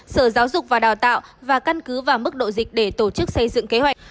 sở giáo dục và đào tạo và căn cứ vào mức độ dịch để tổ chức xây dựng kế hoạch